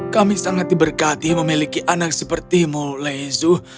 kami sangat diberkati memiliki anak sepertimu lezu